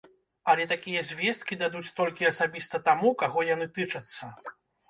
Але такія звесткі дадуць толькі асабіста таму, каго яны тычацца.